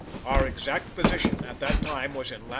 Our exact position at the time was in lat.